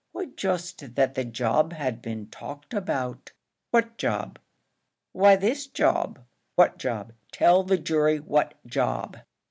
"Why just that the job had been talked about." "What job?" "Why this job." "What job? Tell the jury what job."